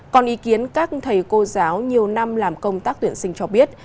còn ý kiến các thầy cô giáo nhiều năm làm công tác tuyển sinh cho biết